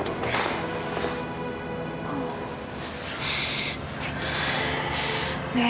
tidak ada apa